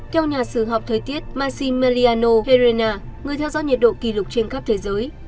theo nhà sử học thời tiết massimiliano herrera người theo dõi nhiệt độ kỷ lục trên khắp thế giới